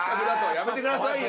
やめてくださいよ。